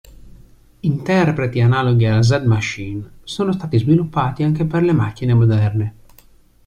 Interpreti analoghi alla Z-machine sono stati sviluppati anche per le macchine moderne.